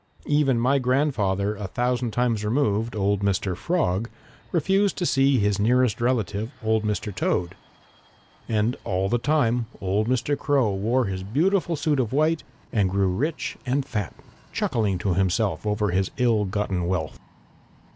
Even my grandfather a thousand times removed, old Mr. Frog, refused to see his nearest relative, old Mr. Toad. And all the time old Mr. Crow wore his beautiful suit of white and grew rich and fat, chuckling to himself over his ill gotten wealth.